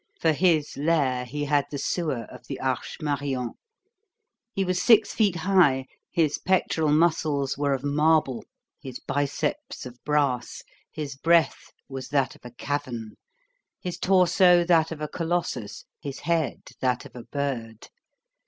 For his lair he had the sewer of the Arche Marion. He was six feet high, his pectoral muscles were of marble, his biceps of brass, his breath was that of a cavern, his torso that of a colossus, his head that of a bird.